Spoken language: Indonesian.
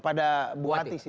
pada buati sih